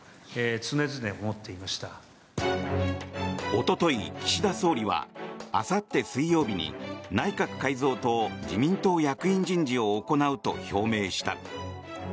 おととい、岸田総理はあさって水曜日に内閣改造と自民党役員人事を行うと表明した。